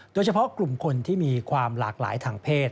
โดยเฉพาะกลุ่มคนที่มีความหลากหลายทางเพศ